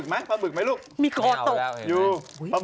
เขายาวเย็นของเขาก็เรื่องเหรอครับ